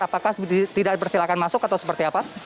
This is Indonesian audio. apakah tidak dipersilakan masuk atau seperti apa